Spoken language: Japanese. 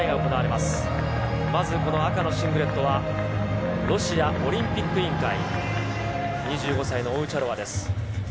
まずこの赤のシングレットは、ロシアオリンピック委員会、２５歳のオウチャロワです。